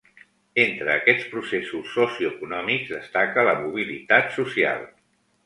Entre aquests processos socioeconòmics destaca la mobilitat social.